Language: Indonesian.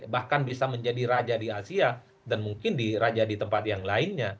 bahkan bisa menjadi raja di asia dan mungkin di raja di tempat yang lainnya